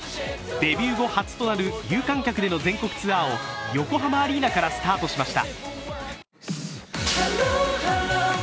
デビュー後初となる有観客での全国ツアーを横浜アリーナからスタートしました。